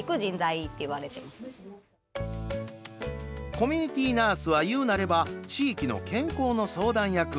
コミュニティナースは言うなれば地域の健康の相談役。